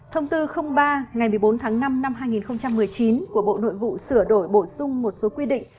thông tư ba ngày một mươi bốn tháng năm năm hai nghìn một mươi chín của bộ nội vụ sửa đổi bổ sung một số quy định